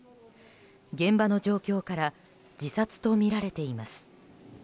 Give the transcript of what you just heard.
現場の状況から自殺とみられています。